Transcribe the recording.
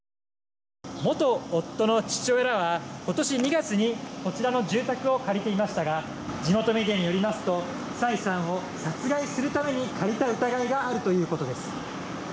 元夫の父親らは今年２月にこちらの住宅を借りていましたが地元メディアによりますとサイさんを殺害するために借りた疑いがあるということです。